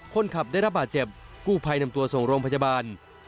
คนขับได้รับบาดเจ็บกู้ภัยนำตัวส่งโรงพยาบาล